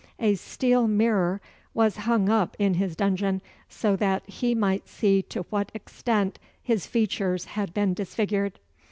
A steel mirror was hung up in his dungeon, so that he might see to what extent his features had been disfigured.